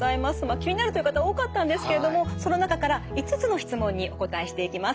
気になるという方多かったんですけれどもその中から５つの質問にお答えしていきます。